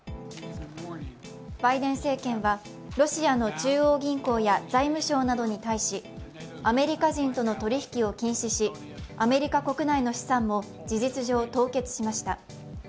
バイデン政権はロシアの中央銀行や財務省などに対しアメリカ人との取り引きを禁止し、アメリカ国内の資産も事実上、凍結しました。